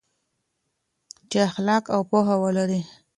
چې اخلاق او پوهه ولري.